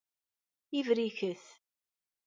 Ibriket.